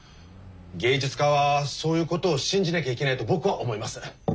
芸術家はそういうことを信じなきゃいけないと僕は思います。